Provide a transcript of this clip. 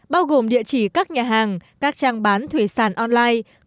bao gồm địa chỉ các nhà hàng các trang bán thủy sản online